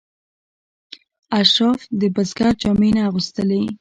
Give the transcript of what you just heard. اشراف د بزګر جامې نه اغوستلې.